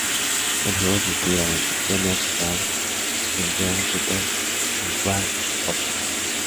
El juego se inspira en "Theme Hospital", "Dungeon Keeper", y "Dwarf Fortress".